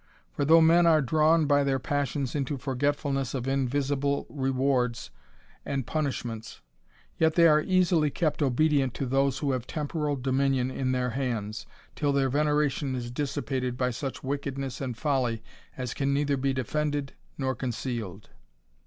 For though men are drawn by their ^^^^sions into forget fulnesss of invisible rewards and 73 THE RAMBLER. punishments, yet they are easily kept obedient to those who have temporal dominion in their hands, till their veneration is dissipated by such wickedness and folly as can neither be defended nor concealed.